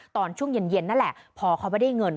ตอนช่วงเย็นนั่นแหละพอเขาไม่ได้เงิน